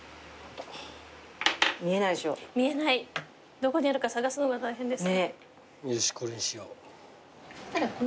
どこにあるか探すのが大変です。